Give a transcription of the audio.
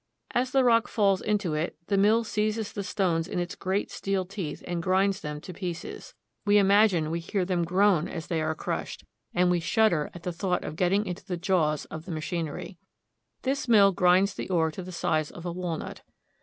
As the rock falls into it, the mill seizes the stones in its great steel teeth and grinds them to pieces. We imag ine we hear them groan as they are crushed, and we shud 1 ^1 Rock Crusher. 246 THE ROCKY MOUNTAIN REGION. der at the thought of getting into the jaws of the machin ery. This mill grinds the ore to the size of a walnut.